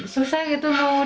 susah gitu mau di